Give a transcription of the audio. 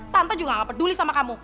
tante juga gak peduli sama kamu